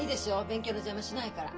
勉強の邪魔しないから。